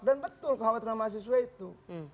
dan betul khawatir nama mahasiswa itu